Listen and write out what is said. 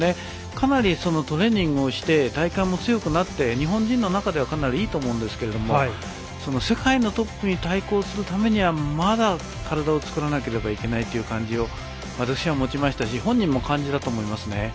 かなりトレーニングをして体幹も強くなって日本人の中ではかなりいいと思うんですけども世界のトップに対抗するためにはまだ、体を作らなければいけないという感じを私は持ちましたし本人も感じたと思います。